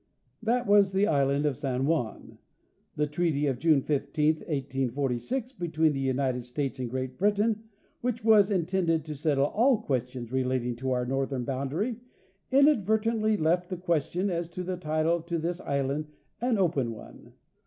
That was the island of San Juan. The treaty of June 15, 1846, between the United States and Great Britain, which was _ intended to settle all questions relating to our northern boundary, inadvertently left the question as to the title to this island an open one.